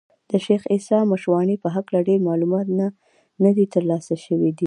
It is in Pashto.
د شېخ عیسي مشواڼي په هکله ډېر معلومات نه دي تر لاسه سوي دي.